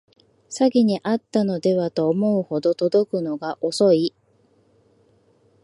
詐欺にあったのではと思うほど届くのが遅い